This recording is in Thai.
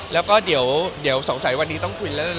แล้วก็เดี๋ยวสงสัยวันนี้ต้องคุยเรื่อง